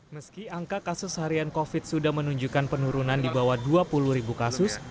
meski angka kasus harian covid sudah menunjukkan penurunan di bawah dua puluh ribu kasus